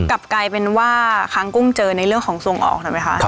กลับกลายเป็นว่าค้างกุ้งเจอในเรื่องของส่งออกใช่ไหมคะ